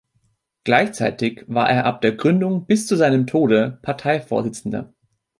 Gleichzeitig war er ab der Gründung bis zu seinem Tode Parteivorsitzender.